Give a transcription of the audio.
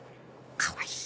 かわいい。